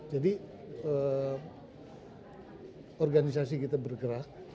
jadi organisasi kita bergerak